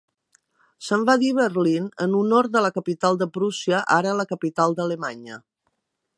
Se'n va dir Berlín, en honor de la capital de Prússia, ara la capital d'Alemanya.